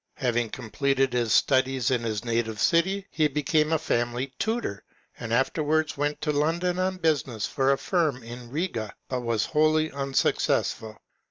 Having com pleted his studies in his native city, he became a family tutor, and afterwards went to London on business for a firm in Riga, but was wholly unsuccessful.